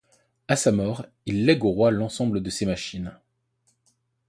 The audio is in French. À sa mort, il lègue au roi l'ensemble de ses machines.